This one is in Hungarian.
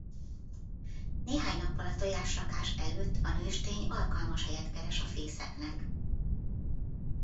Néhány nappal a tojásrakás előtt a nőstény alkalmas helyet keres a fészeknek.